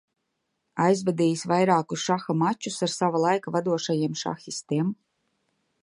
Aizvadījis vairākus šaha mačus ar sava laika vadošajiem šahistiem.